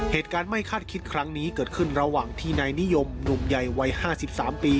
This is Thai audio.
เหตุการณ์ไม่คาดคิดครั้งนี้เกิดขึ้นระหว่างที่นายนิยมหนุ่มใหญ่วัย๕๓ปี